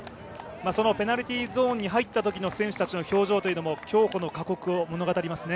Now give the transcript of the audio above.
そのペナルティーゾーンに入ったときの選手たちの表情というのも競歩の過酷を物語りますね。